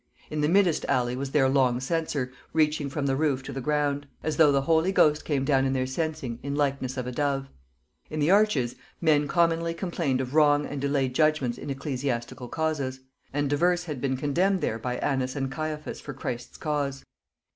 In the middest alley was their long censer, reaching from the roof to the ground; as though the Holy Ghost came down in their censing, in likeness of a dove. In the arches, men commonly complained of wrong and delayed judgments in ecclesiastical causes: and divers had been condemned there by Annas and Caiaphas for Christ's cause.